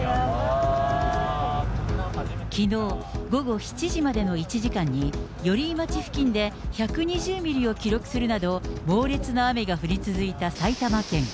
きのう午後７時までの１時間に寄居町付近で１２０ミリを記録するなど、猛烈な雨が降り続いた埼玉県。